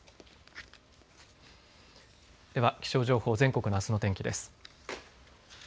では、気象情報全国のあすの天気です。